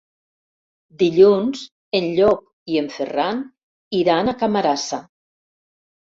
Dilluns en Llop i en Ferran iran a Camarasa.